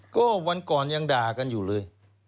ก็วันก่อนยังด่ากันอยู่เลย